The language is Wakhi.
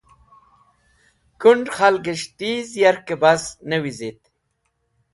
Kũnd̃ khalgẽs̃h tiz yarkẽ bas ne wizit.